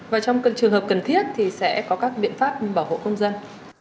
và trong các trường hợp cần thiết thì sẽ có các biện pháp bảo hộ công dân